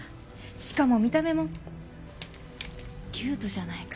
しかも見た目もキュートじゃないか。